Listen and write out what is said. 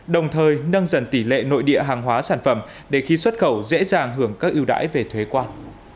đồng thời nâng dần tỷ lệ nội địa hàng hóa sản phẩm để khi xuất khẩu dễ dàng hưởng các ưu đãi về thuế quan